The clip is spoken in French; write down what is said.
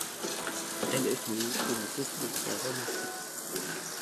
Elle est en outre une conférencière remarquée.